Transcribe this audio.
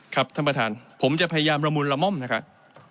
ครับท่านประธานผมจะพยายามละมุนละม่อมนะครับ